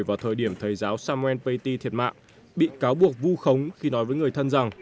vào thời điểm thầy giáo samuel paty thiệt mạng bị cáo buộc vu khống khi nói với người thân rằng